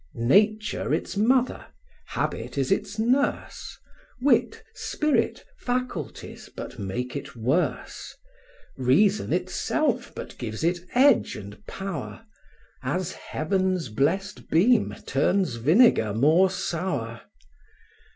Nature its mother, habit is its nurse; Wit, spirit, faculties, but make it worse; Reason itself but gives it edge and power; As Heaven's blest beam turns vinegar more sour.